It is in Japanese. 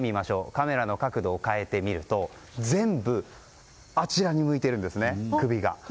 カメラの角度を変えてみると全部あちらに向いているんですね首が。